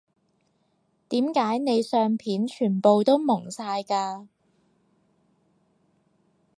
點解你相片全部都矇晒㗎